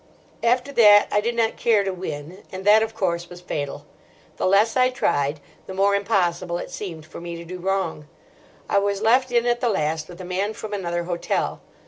After that I did not care to win; and that of course was fatal. The less I tried, the more impossible it seemed for me to do wrong. I was left in at the last with a man from another hotel.